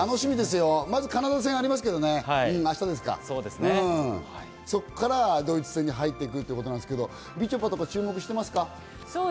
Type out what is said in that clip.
カナダ戦がありますけれどもね、明日ですか、そこからドイツ戦に入っていくということなんですけど、みちょぱとか注目しています